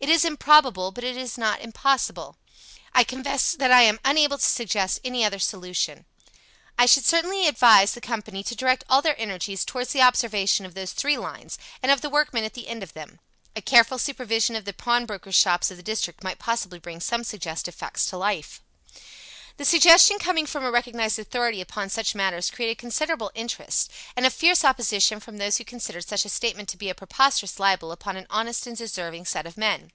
It is improbable, but it is not impossible. I confess that I am unable to suggest any other solution. I should certainly advise the company to direct all their energies towards the observation of those three lines, and of the workmen at the end of them. A careful supervision of the pawnbrokers' shops of the district might possibly bring some suggestive facts to light." The suggestion coming from a recognized authority upon such matters created considerable interest, and a fierce opposition from those who considered such a statement to be a preposterous libel upon an honest and deserving set of men.